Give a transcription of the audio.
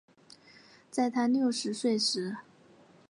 在她六十岁时